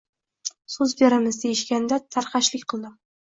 So‘z beramiz deyishganda tarxashlik qildim.